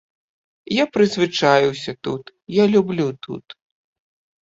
Я прызвычаіўся тут, я люблю тут.